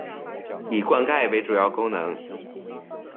以灌溉为主要功能。